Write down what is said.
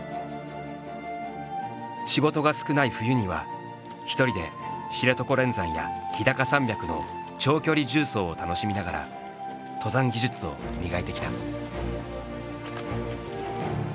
仕事が少ない冬には一人で知床連山や日高山脈の長距離縦走を楽しみながら登山技術を磨いてきた。